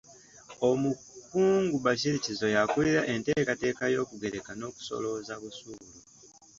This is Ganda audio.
Omukungu Bashir Kizito y'akulira enteekateeka y'okugereka n'okusolooza busuulu.